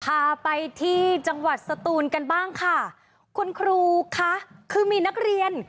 พาไปที่จังหวัดสตูนกันบ้างค่ะคุณครูคะคือมีนักเรียน